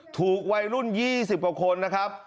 ถูกวัยรุ่น๒๐กว่าคนนะครับ